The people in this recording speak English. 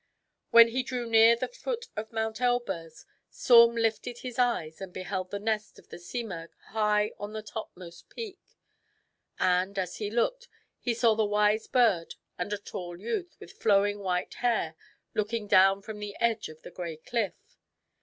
When he drew near the foot of Mount Elburz, Saum lifted his eyes and beheld the nest of the Simurgh high on the topmost peak. And, as he looked, he saw the wise bird and a tall youth with flowing white hair looking down from the edge of the gray cliff.